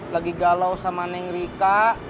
lagi galau sama neng rika